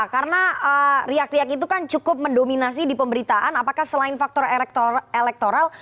karena riak riak itu kan cukup mendominasi di pemberitaan apakah selain faktor elektoral